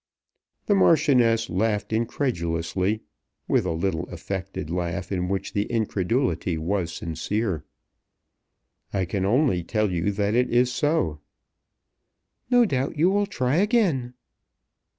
The Marchioness laughed incredulously, with a little affected laugh in which the incredulity was sincere. "I can only tell you that it is so." "No doubt you will try again?"